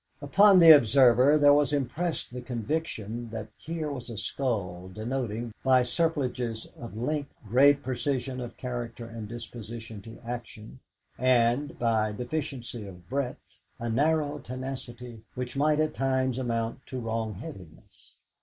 Upon the observer there was impressed the conviction that here was a skull denoting, by surplusage of length, great precision of character and disposition to action, and, by deficiency of breadth, a narrow tenacity which might at times amount to wrong headedness.